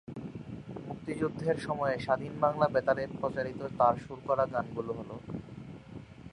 মুক্তিযুদ্ধের সময়ে স্বাধীন বাংলা বেতারে প্রচারিত তার সুর করা গানগুলো হলো-